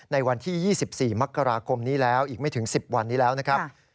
ในวันที่๒๔มกราคมนี้แล้วอีกไม่ถึง๑๐วันนี้แล้วนะครับ